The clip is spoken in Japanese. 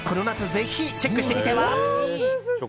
ぜひチェックしてみては？